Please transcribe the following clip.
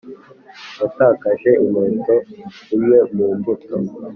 yatakaje inkweto imwe mu mbuto,